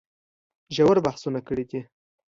ژور بحثونه کړي دي